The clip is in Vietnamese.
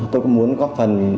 tôi cũng muốn góp phần